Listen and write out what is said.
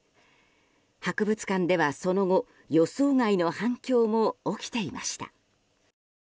博物館ではその後予想外の反響も起きていました。